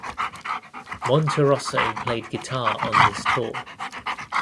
Monterosso played guitar on this tour.